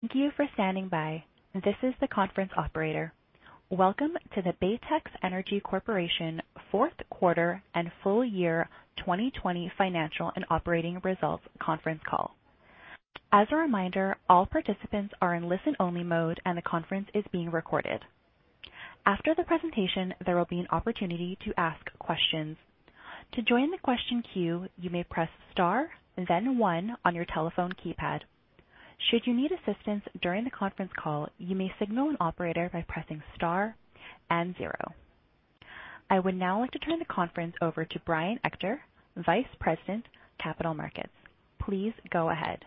Thank you for standing by. This is the conference operator. Welcome to the Baytex Energy Corporation Fourth Quarter and Full Year 2020 Financial and Operating Results Conference Call. As a reminder, all participants are in listen-only mode, and the conference is being recorded. After the presentation, there will be an opportunity to ask questions. To join the question queue, you may press star then one on your telephone keypad. Should you need assistance during the conference call, you may signal an operator by pressing star and zero. I would now like to turn the conference over to Brian Ector, Vice President, Capital Markets. Please go ahead.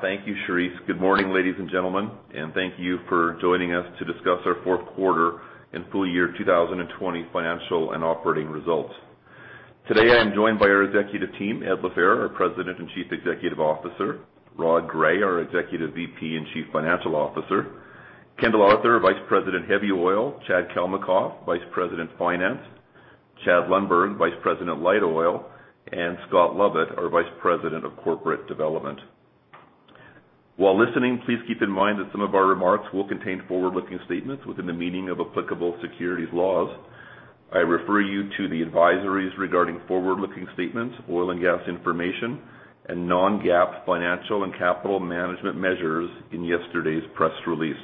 Thank you, Cherise. Good morning, ladies and gentlemen, and thank you for joining us to discuss our Fourth Quarter and Full Year 2020 Financial and Operating Results. Today, I am joined by our executive team, Ed LaFehr, our President and Chief Executive Officer. Rod Gray, our Executive VP and Chief Financial Officer. Kendall Arthur, Vice President, Heavy Oil. Chad Kalmakoff, Vice President, Finance. Chad Lundberg, Vice President, Light Oil. And Scott Lovett, our Vice President of Corporate Development. While listening, please keep in mind that some of our remarks will contain forward-looking statements within the meaning of applicable securities laws. I refer you to the advisories regarding forward-looking statements, oil and gas information, and non-GAAP financial and capital management measures in yesterday's press release.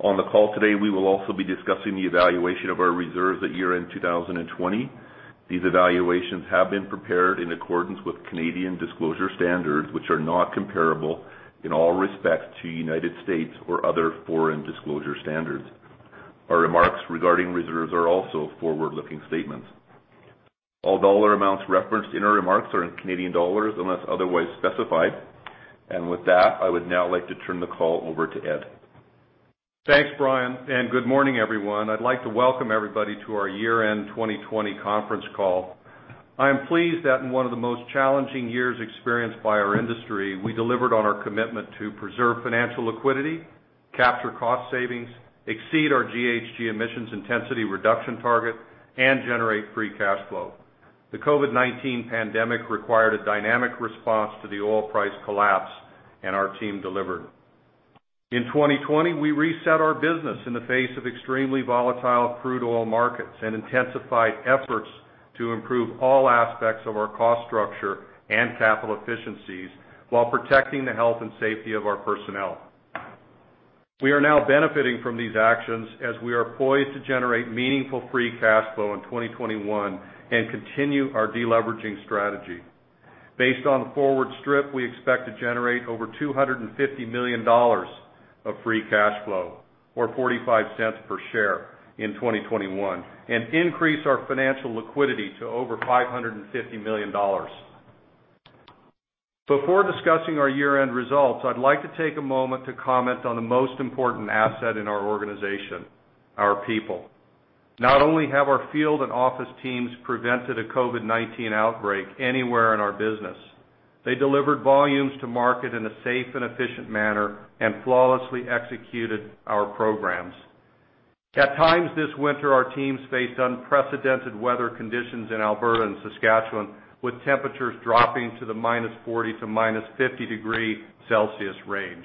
On the call today, we will also be discussing the evaluation of our reserves at year-end 2020. These evaluations have been prepared in accordance with Canadian disclosure standards, which are not comparable in all respects to United States or other foreign disclosure standards. Our remarks regarding reserves are also forward-looking statements. All dollar amounts referenced in our remarks are in Canadian dollars unless otherwise specified, and with that, I would now like to turn the call over to Ed. Thanks, Brian, and good morning, everyone. I'd like to welcome everybody to our year-end 2020 conference call. I am pleased that in one of the most challenging years experienced by our industry, we delivered on our commitment to preserve financial liquidity, capture cost savings, exceed our GHG emissions intensity reduction target, and generate free cash flow. The COVID-19 pandemic required a dynamic response to the oil price collapse, and our team delivered. In 2020, we reset our business in the face of extremely volatile crude oil markets and intensified efforts to improve all aspects of our cost structure and capital efficiencies while protecting the health and safety of our personnel. We are now benefiting from these actions as we are poised to generate meaningful free cash flow in 2021 and continue our deleveraging strategy. Based on the forward strip, we expect to generate over $250 million of free cash flow, or $0.45 per share in 2021, and increase our financial liquidity to over $550 million. Before discussing our year-end results, I'd like to take a moment to comment on the most important asset in our organization: our people. Not only have our field and office teams prevented a COVID-19 outbreak anywhere in our business, they delivered volumes to market in a safe and efficient manner and flawlessly executed our programs. At times this winter, our teams faced unprecedented weather conditions in Alberta and Saskatchewan, with temperatures dropping to the minus 40 to minus 50 degrees Celsius range.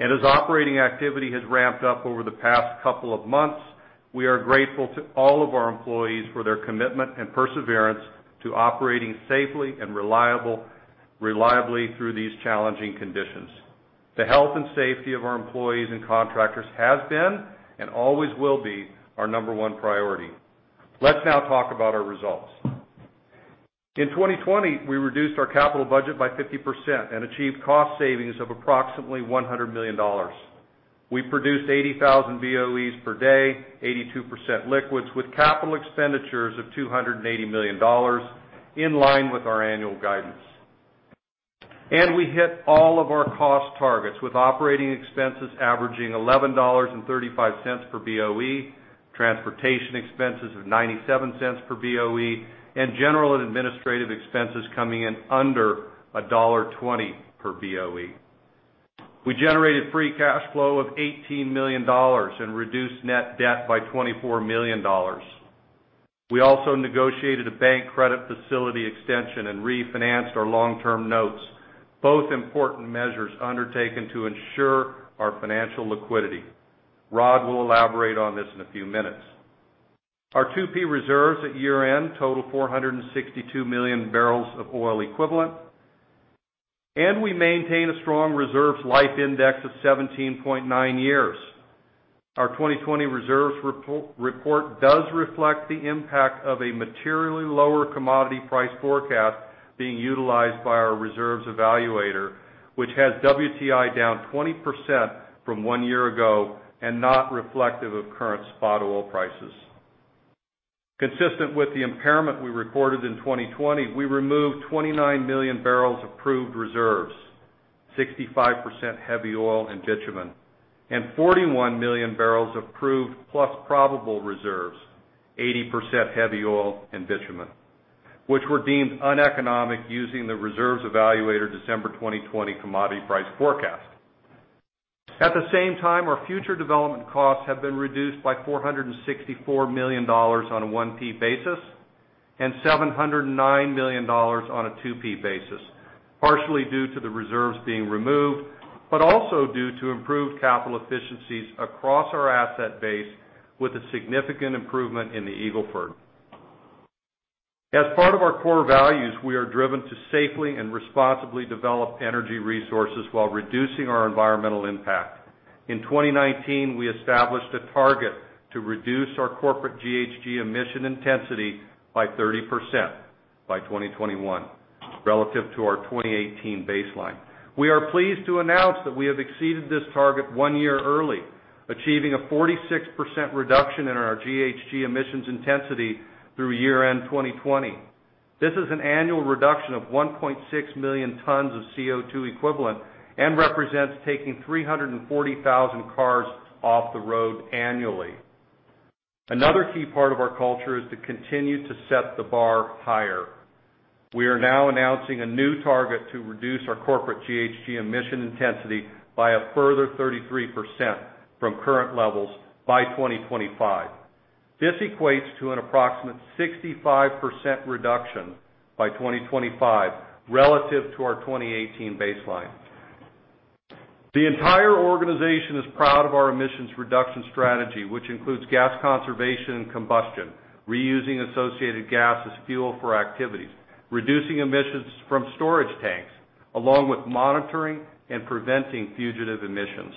As operating activity has ramped up over the past couple of months, we are grateful to all of our employees for their commitment and perseverance to operating safely and reliably through these challenging conditions. The health and safety of our employees and contractors has been and always will be our number one priority. Let's now talk about our results. In 2020, we reduced our capital budget by 50% and achieved cost savings of approximately 100 million dollars. We produced 80,000 BOEs per day, 82% liquids, with capital expenditures of 280 million dollars in line with our annual guidance. And we hit all of our cost targets, with operating expenses averaging 11.35 dollars per BOE, transportation expenses of 0.97 per BOE, and general and administrative expenses coming in under dollar 1.20 per BOE. We generated free cash flow of 18 million dollars and reduced net debt by 24 million dollars. We also negotiated a bank credit facility extension and refinanced our long-term notes, both important measures undertaken to ensure our financial liquidity. Rod will elaborate on this in a few minutes. Our 2P reserves at year-end total 462 million barrels of oil equivalent, and we maintain a strong reserves life index of 17.9 years. Our 2020 reserves report does reflect the impact of a materially lower commodity price forecast being utilized by our reserves evaluator, which has WTI down 20% from one year ago and not reflective of current spot oil prices. Consistent with the impairment we recorded in 2020, we removed 29 million barrels of proved reserves, 65% heavy oil and bitumen, and 41 million barrels of proved plus probable reserves, 80% heavy oil and bitumen, which were deemed uneconomic using the reserves evaluator December 2020 commodity price forecast. At the same time, our future development costs have been reduced by $464 million on a 1P basis and $709 million on a 2P basis, partially due to the reserves being removed, but also due to improved capital efficiencies across our asset base with a significant improvement in the Eagle Ford. As part of our core values, we are driven to safely and responsibly develop energy resources while reducing our environmental impact. In 2019, we established a target to reduce our corporate GHG emission intensity by 30% by 2021 relative to our 2018 baseline. We are pleased to announce that we have exceeded this target one year early, achieving a 46% reduction in our GHG emissions intensity through year-end 2020. This is an annual reduction of 1.6 million tons of CO2 equivalent and represents taking 340,000 cars off the road annually. Another key part of our culture is to continue to set the bar higher. We are now announcing a new target to reduce our corporate GHG emission intensity by a further 33% from current levels by 2025. This equates to an approximate 65% reduction by 2025 relative to our 2018 baseline. The entire organization is proud of our emissions reduction strategy, which includes gas conservation and combustion, reusing associated gas as fuel for activities, reducing emissions from storage tanks, along with monitoring and preventing fugitive emissions.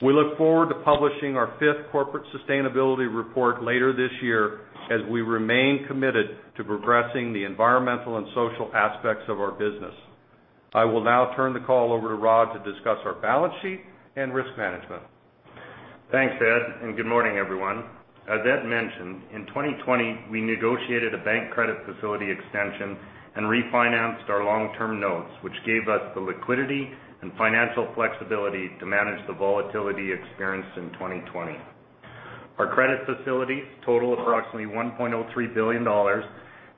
We look forward to publishing our fifth corporate sustainability report later this year as we remain committed to progressing the environmental and social aspects of our business. I will now turn the call over to Rod to discuss our balance sheet and risk management. Thanks, Ed, and good morning, everyone. As Ed mentioned, in 2020, we negotiated a bank credit facility extension and refinanced our long-term notes, which gave us the liquidity and financial flexibility to manage the volatility experienced in 2020. Our credit facilities total approximately $1.03 billion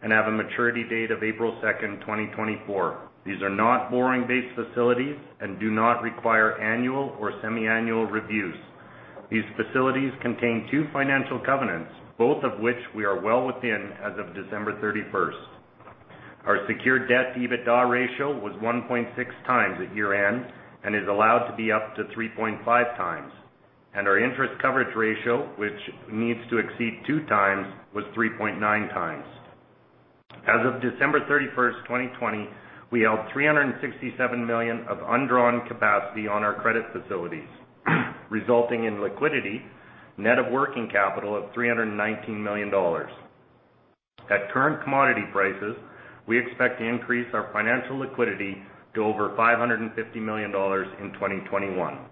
and have a maturity date of April 2, 2024. These are not borrowing-based facilities and do not require annual or semiannual reviews. These facilities contain two financial covenants, both of which we are well within as of December 31st. Our secured debt to EBITDA ratio was 1.6 times at year-end and is allowed to be up to 3.5 times. And our interest coverage ratio, which needs to exceed two times, was 3.9 times. As of December 31, 2020, we held 367 million of undrawn capacity on our credit facilities, resulting in liquidity, net of working capital of $319 million. At current commodity prices, we expect to increase our financial liquidity to over 550 million dollars in 2021.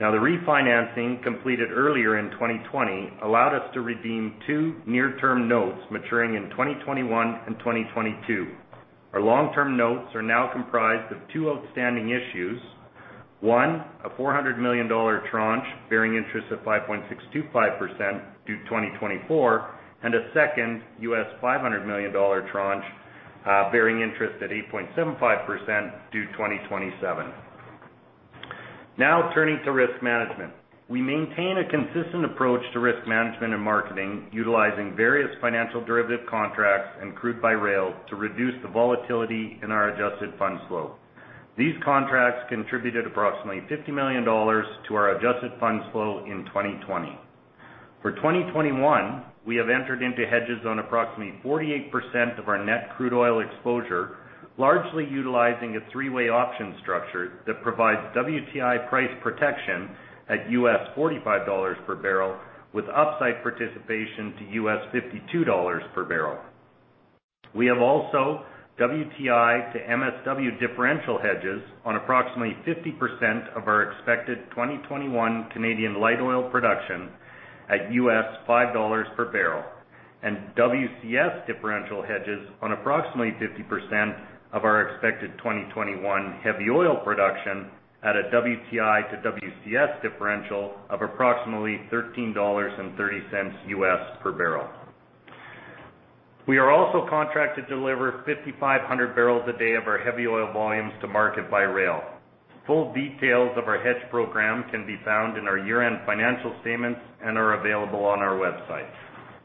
Now, the refinancing completed earlier in 2020 allowed us to redeem two near-term notes maturing in 2021 and 2022. Our long-term notes are now comprised of two outstanding issues: one, a 400 million dollar tranche bearing interest at 5.625% due 2024, and a second $500 million tranche bearing interest at 8.75% due 2027. Now, turning to risk management, we maintain a consistent approach to risk management and marketing, utilizing various financial derivative contracts and crude by rail to reduce the volatility in our adjusted funds flow. These contracts contributed approximately 50 million dollars to our adjusted funds flow in 2020. For 2021, we have entered into hedges on approximately 48% of our net crude oil exposure, largely utilizing a three-way option structure that provides WTI price protection at $45 per barrel with upside participation to $52 per barrel. We have also WTI to MSW differential hedges on approximately 50% of our expected 2021 Canadian light oil production at $5 per barrel and WCS differential hedges on approximately 50% of our expected 2021 heavy oil production at a WTI to WCS differential of approximately $13.30 per barrel. We are also contracted to deliver 5,500 barrels a day of our heavy oil volumes to market by rail. Full details of our hedge program can be found in our year-end financial statements and are available on our website,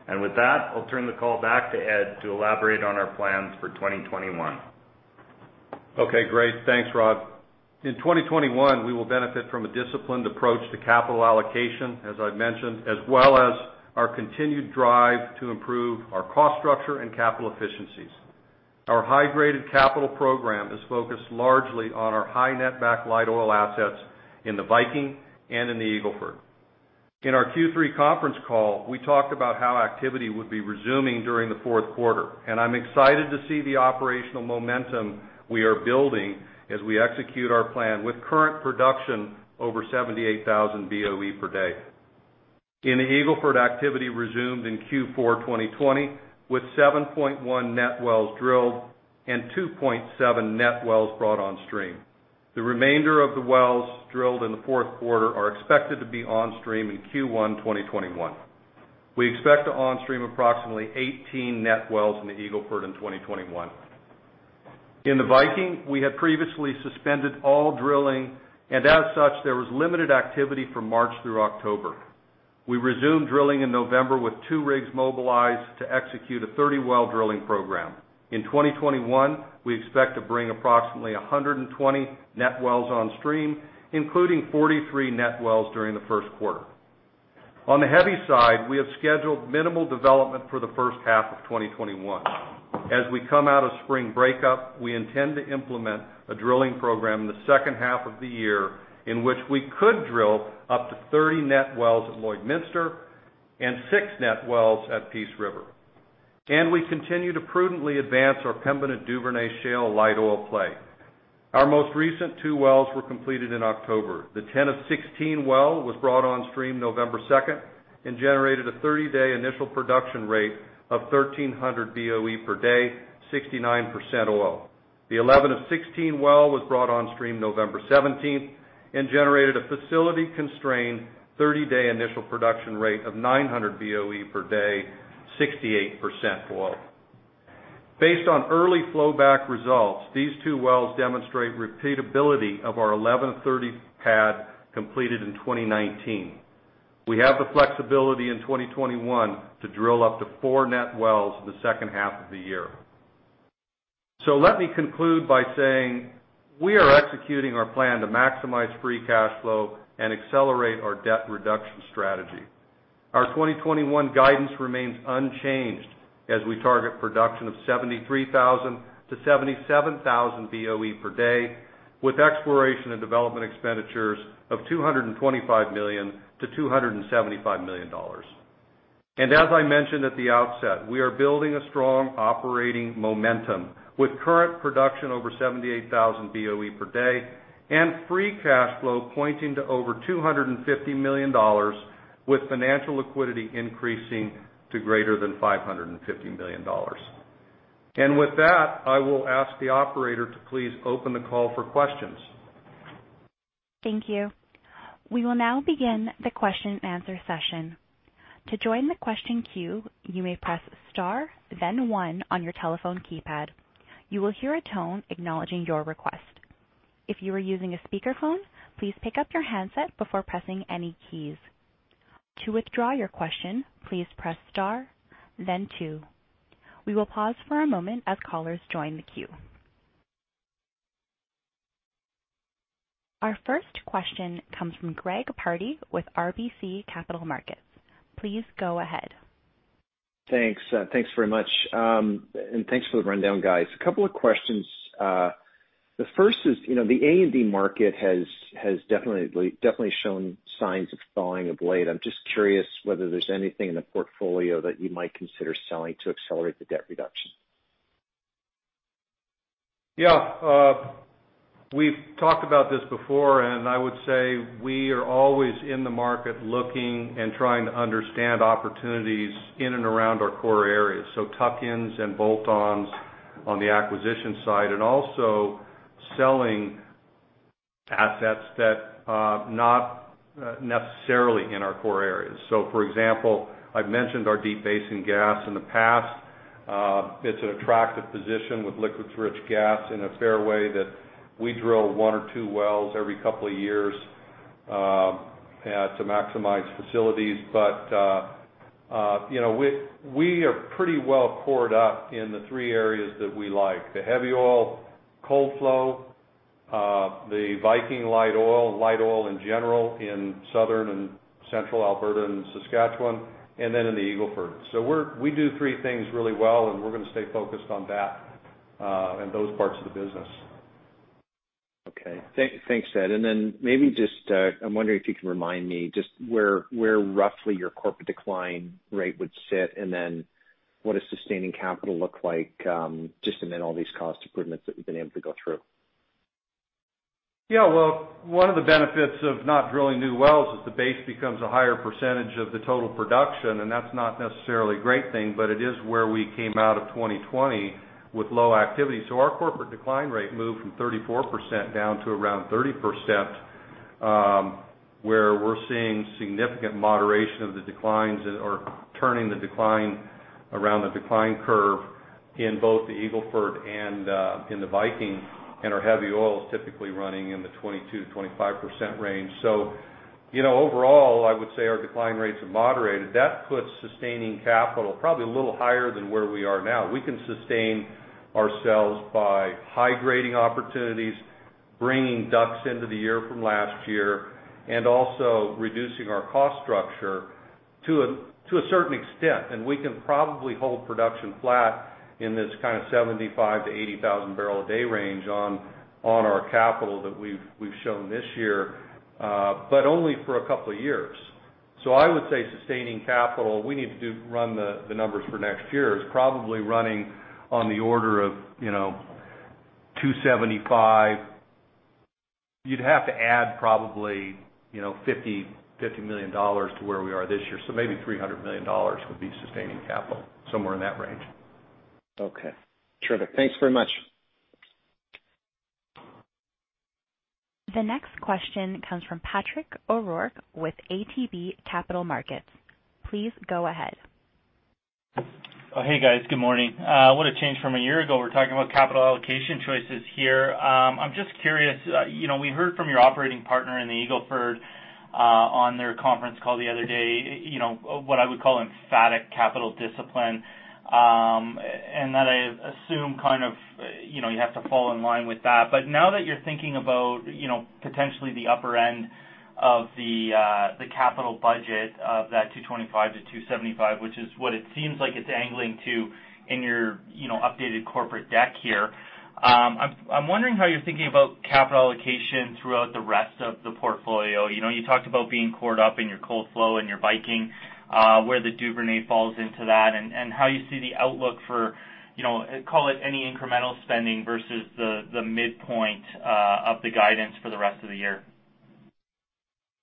and with that, I'll turn the call back to Ed to elaborate on our plans for 2021. Okay, great. Thanks, Rod. In 2021, we will benefit from a disciplined approach to capital allocation, as I've mentioned, as well as our continued drive to improve our cost structure and capital efficiencies. Our high-graded capital program is focused largely on our high-netback light oil assets in the Viking and in the Eagle Ford. In our Q3 conference call, we talked about how activity would be resuming during the fourth quarter, and I'm excited to see the operational momentum we are building as we execute our plan with current production over 78,000 BOE per day. In the Eagle Ford, activity resumed in Q4 2020 with 7.1 net wells drilled and 2.7 net wells brought on stream. The remainder of the wells drilled in the fourth quarter are expected to be on stream in Q1 2021. We expect to on stream approximately 18 net wells in the Eagle Ford in 2021. In the Viking, we had previously suspended all drilling, and as such, there was limited activity from March through October. We resumed drilling in November with two rigs mobilized to execute a 30-well drilling program. In 2021, we expect to bring approximately 120 net wells on stream, including 43 net wells during the first quarter. On the heavy side, we have scheduled minimal development for the first half of 2021. As we come out of spring breakup, we intend to implement a drilling program in the second half of the year in which we could drill up to 30 net wells at Lloydminster and six net wells at Peace River, and we continue to prudently advance our Viking and Duvernay Shale light oil play. Our most recent two wells were completed in October. The 10 of 16 well was brought on stream November 2nd and generated a 30-day initial production rate of 1,300 BOE per day, 69% oil. The 11 of 16 well was brought on stream November 17th and generated a facility-constrained 30-day initial production rate of 900 BOE per day, 68% oil. Based on early flowback results, these two wells demonstrate repeatability of our 11 of 30 pad completed in 2019. We have the flexibility in 2021 to drill up to four net wells in the second half of the year. So let me conclude by saying we are executing our plan to maximize free cash flow and accelerate our debt reduction strategy. Our 2021 guidance remains unchanged as we target production of 73,000-77,000 BOE per day with exploration and development expenditures of $225-$275 million. As I mentioned at the outset, we are building a strong operating momentum with current production over 78,000 BOE per day and free cash flow pointing to over $250 million with financial liquidity increasing to greater than $550 million. With that, I will ask the operator to please open the call for questions. Thank you. We will now begin the question and answer session. To join the question queue, you may press star, then one on your telephone keypad. You will hear a tone acknowledging your request. If you are using a speakerphone, please pick up your handset before pressing any keys. To withdraw your question, please press star, then two. We will pause for a moment as callers join the queue. Our first question comes from Greg Pardy with RBC Capital Markets. Please go ahead. Thanks. Thanks very much. And thanks for the rundown, guys. A couple of questions. The first is the A&D market has definitely shown signs of falling off a cliff. I'm just curious whether there's anything in the portfolio that you might consider selling to accelerate the debt reduction. Yeah. We've talked about this before, and I would say we are always in the market looking and trying to understand opportunities in and around our core areas, so Tuxford and Balgonie on the acquisition side and also selling assets that are not necessarily in our core areas, so, for example, I've mentioned our Deep Basin gas in the past. It's an attractive position with liquids-rich gas in a fairway that we drill one or two wells every couple of years to maximize facilities, but we are pretty well cored up in the three areas that we like: the heavy oil, cold flow, the Viking light oil, light oil in general in southern and central Alberta and Saskatchewan, and then in the Eagle Ford, so we do three things really well, and we're going to stay focused on that and those parts of the business. Okay. Thanks, Ed. And then, maybe just, I'm wondering if you can remind me just where roughly your corporate decline rate would sit, and then what does sustaining capital look like just amid all these cost improvements that we've been able to go through? Yeah. Well, one of the benefits of not drilling new wells is the base becomes a higher percentage of the total production, and that's not necessarily a great thing, but it is where we came out of 2020 with low activity. So our corporate decline rate moved from 34% down to around 30%, where we're seeing significant moderation of the declines or turning the decline around the decline curve in both the Eagle Ford and in the Viking, and our heavy oil is typically running in the 22%-25% range. So overall, I would say our decline rates are moderated. That puts sustaining capital probably a little higher than where we are now. We can sustain ourselves by high-grading opportunities, bringing DUCs into the year from last year, and also reducing our cost structure to a certain extent. And we can probably hold production flat in this kind of 75,000-80,000 barrel a day range on our capital that we've shown this year, but only for a couple of years. So I would say sustaining capital, we need to run the numbers for next year, is probably running on the order of 275 million. You'd have to add probably 50 million dollars to where we are this year. So maybe 300 million dollars would be sustaining capital, somewhere in that range. Okay. Terrific. Thanks very much. The next question comes from Patrick O'Rourke with ATB Capital Markets. Please go ahead. Hey, guys. Good morning. What a change from a year ago. We're talking about capital allocation choices here. I'm just curious. We heard from your operating partner in the Eagle Ford on their conference call the other day what I would call emphatic capital discipline, and that I assume kind of you have to fall in line with that. But now that you're thinking about potentially the upper end of the capital budget of that 225-275, which is what it seems like it's angling to in your updated corporate deck here, I'm wondering how you're thinking about capital allocation throughout the rest of the portfolio. You talked about being cored up in your cold flow and your Viking, where the Duvernay falls into that, and how you see the outlook for, call it, any incremental spending versus the midpoint of the guidance for the rest of the year.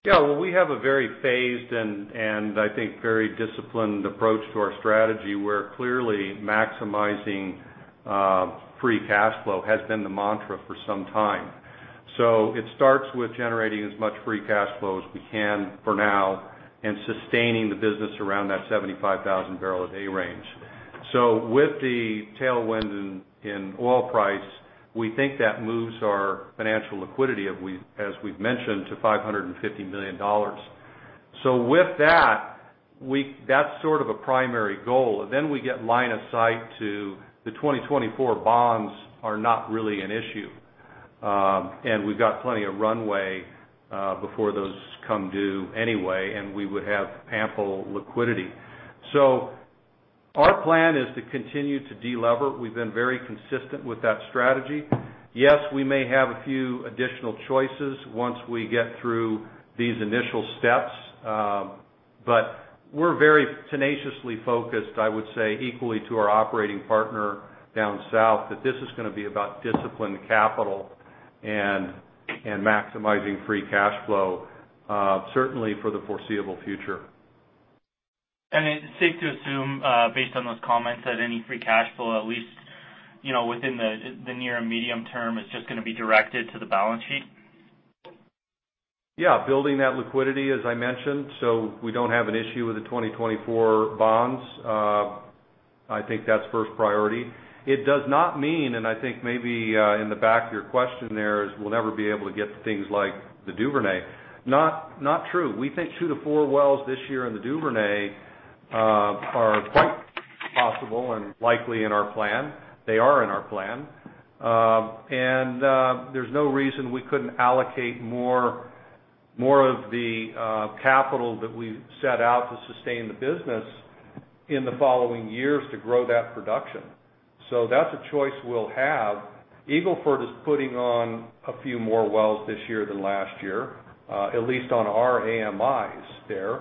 Yeah. Well, we have a very phased and I think very disciplined approach to our strategy where clearly maximizing free cash flow has been the mantra for some time. So it starts with generating as much free cash flow as we can for now and sustaining the business around that 75,000 barrel a day range. So with the tailwind in oil price, we think that moves our financial liquidity, as we've mentioned, to 550 million dollars. So with that, that's sort of a primary goal. Then we get line of sight to the 2024 bonds, are not really an issue, and we've got plenty of runway before those come due anyway, and we would have ample liquidity. So our plan is to continue to delever. We've been very consistent with that strategy. Yes, we may have a few additional choices once we get through these initial steps, but we're very tenaciously focused, I would say, equally to our operating partner down south that this is going to be about disciplined capital and maximizing free cash flow, certainly for the foreseeable future. And it's safe to assume, based on those comments, that any Free Cash Flow, at least within the near and medium term, is just going to be directed to the balance sheet? Yeah. Building that liquidity, as I mentioned. So we don't have an issue with the 2024 bonds. I think that's first priority. It does not mean, and I think maybe in the back of your question there is we'll never be able to get things like the Duvernay. Not true. We think two to four wells this year in the Duvernay are quite possible and likely in our plan. They are in our plan. And there's no reason we couldn't allocate more of the capital that we set out to sustain the business in the following years to grow that production. So that's a choice we'll have. Eagle Ford is putting on a few more wells this year than last year, at least on our AMIs there.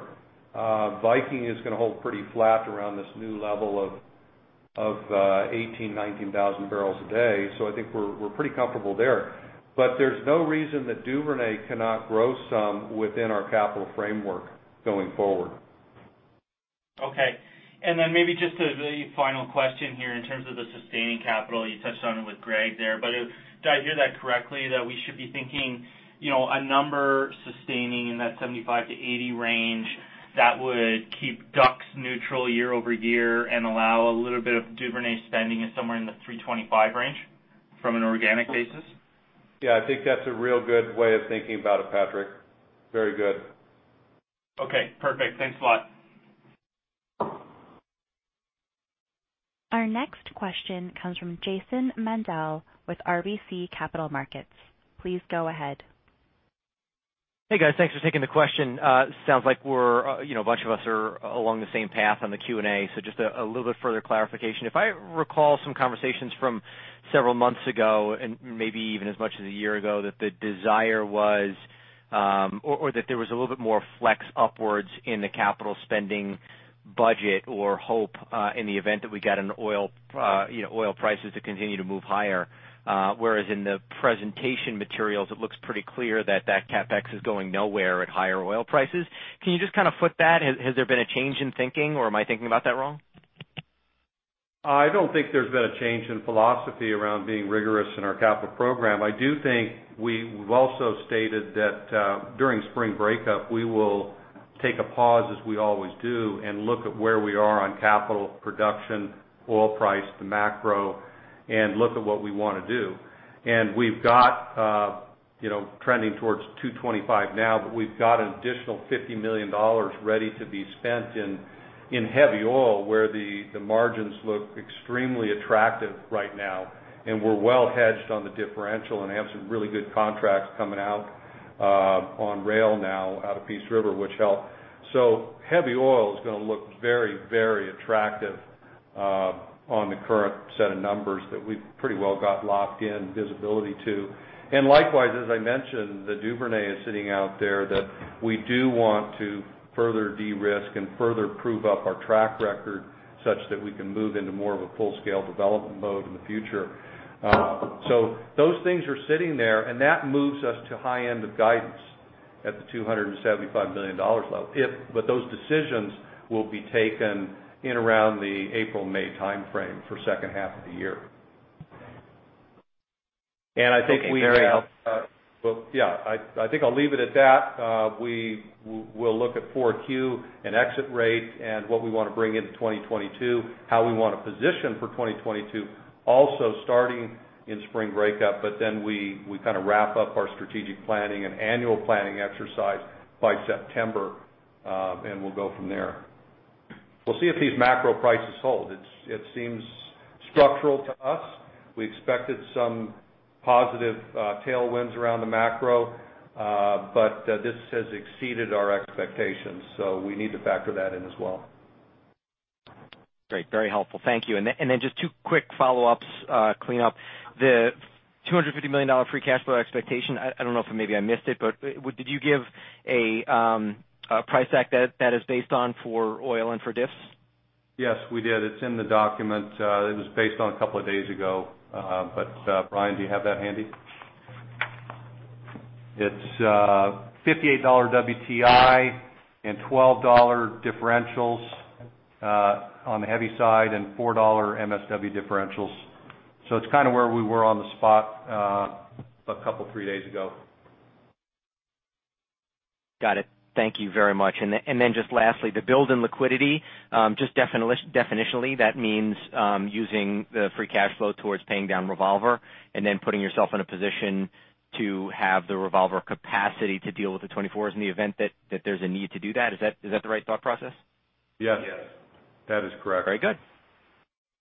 Viking is going to hold pretty flat around this new level of 18,000, 19,000 barrels a day. So I think we're pretty comfortable there. But there's no reason that Duvernay cannot grow some within our capital framework going forward. Okay. And then maybe just a final question here in terms of the sustaining capital. You touched on it with Greg there, but did I hear that correctly that we should be thinking a number sustaining in that 75-80 range that would keep DUCs neutral year over year and allow a little bit of Duvernay spending somewhere in the 325 range from an organic basis? Yeah. I think that's a real good way of thinking about it, Patrick. Very good. Okay. Perfect. Thanks a lot. Our next question comes from Jason Mendel with RBC Capital Markets. Please go ahead. Hey, guys. Thanks for taking the question. Sounds like a bunch of us are along the same path on the Q&A. So just a little bit further clarification. If I recall some conversations from several months ago and maybe even as much as a year ago that the desire was or that there was a little bit more flex upwards in the capital spending budget or hope in the event that we got oil prices to continue to move higher, whereas in the presentation materials, it looks pretty clear that that CapEx is going nowhere at higher oil prices. Can you just kind of foot that? Has there been a change in thinking, or am I thinking about that wrong? I don't think there's been a change in philosophy around being rigorous in our capital program. I do think we've also stated that during Spring Breakup, we will take a pause, as we always do, and look at where we are on capital production, oil price, the macro, and look at what we want to do, and we've got trending towards 225 now, but we've got an additional 50 million dollars ready to be spent in heavy oil where the margins look extremely attractive right now, and we're well hedged on the differential and have some really good contracts coming out on rail now out of Peace River, which helps, so heavy oil is going to look very, very attractive on the current set of numbers that we've pretty well got locked in visibility to. Likewise, as I mentioned, the Duvernay is sitting out there that we do want to further de-risk and further prove up our track record such that we can move into more of a full-scale development mode in the future. So those things are sitting there, and that moves us to high-end of guidance at the 275 million dollars level. But those decisions will be taken in around the April, May timeframe for the second half of the year. I think we have. Thank you. Very helpful. Yeah. I think I'll leave it at that. We'll look at 4Q and exit rate and what we want to bring into 2022, how we want to position for 2022, also starting in Spring Breakup, but then we kind of wrap up our strategic planning and annual planning exercise by September, and we'll go from there. We'll see if these macro prices hold. It seems structural to us. We expected some positive tailwinds around the macro, but this has exceeded our expectations, so we need to factor that in as well. Great. Very helpful. Thank you. And then just two quick follow-ups, clean up. The 250 million dollar free cash flow expectation, I don't know if maybe I missed it, but did you give a price that is based on for oil and for diffs? Yes, we did. It's in the document. It was based on a couple of days ago. But Brian, do you have that handy? It's $58 WTI and $12 differentials on the heavy side and $4 MSW differentials. So it's kind of where we were on the spot a couple of three days ago. Got it. Thank you very much. And then just lastly, the built-in liquidity, just definitionally, that means using the free cash flow towards paying down revolver and then putting yourself in a position to have the revolver capacity to deal with the 24s in the event that there's a need to do that. Is that the right thought process? Yes. That is correct. Very good.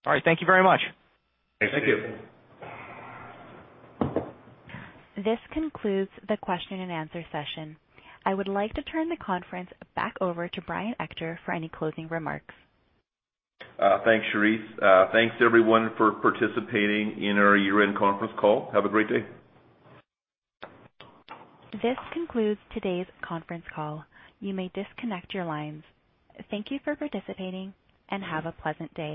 All right. Thank you very much. Thank you. This concludes the question and answer session. I would like to turn the conference back over to Brian Ector for any closing remarks. Thanks, Cherise. Thanks, everyone, for participating in our year-end conference call. Have a great day. This concludes today's conference call. You may disconnect your lines. Thank you for participating and have a pleasant day.